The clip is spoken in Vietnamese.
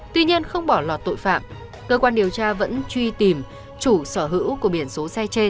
tuy nhiên không bỏ lọt tội phạm cơ quan điều tra vẫn truy tìm chủ sở hữu của biển số xe trên